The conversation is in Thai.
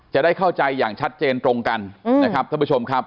จะได้เข้าใจอย่างชัดเจนตรงกันนะครับท่านผู้ชมครับ